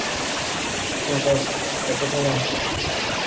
থামো, কথা থামাও!